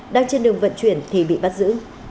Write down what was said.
đang trên đường vận chuyển thì bị bắt giữ